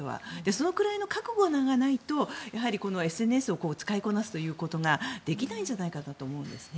そのくらいの覚悟がないとやはりＳＮＳを使いこなすということができないんじゃないかなと思うんですね。